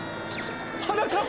はなかっ